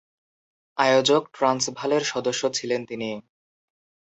আয়োজক ট্রান্সভালের সদস্য ছিলেন তিনি।